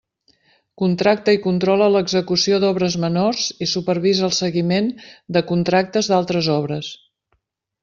Contracta i controla l'execució d'obres menors i supervisa el seguiment de contractes d'altres obres.